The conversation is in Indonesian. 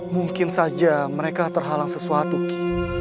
mungkin saja mereka terhalang sesuatu ki